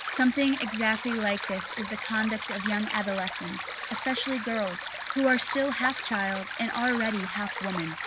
Something exactly like this is the conduct of young adolescents, especially girls, who are still half child and already half woman.